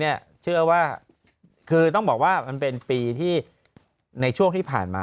เชื่อว่าคือต้องบอกว่ามันเป็นปีที่ในช่วงที่ผ่านมา